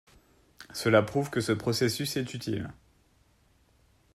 Cela prouve que ce processus est utile.